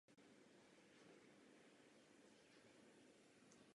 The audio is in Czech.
Zmiňují se i informační kampaně.